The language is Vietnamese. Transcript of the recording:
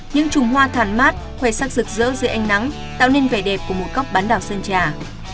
những trùng hoa thàn mát khoe sắc rực rỡ dưới ánh nắng tạo nên vẻ đẹp của một góc bán đảo sơn trà